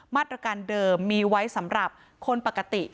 มาตรการเดิมมีไว้สำหรับคนปกติ